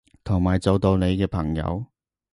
同埋做到你嘅朋友